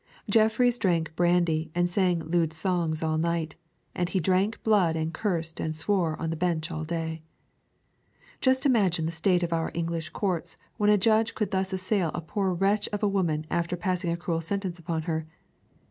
Jeffreys drank brandy and sang lewd songs all night, and he drank blood and cursed and swore on the bench all day. Just imagine the state of our English courts when a judge could thus assail a poor wretch of a woman after passing a cruel sentence upon her.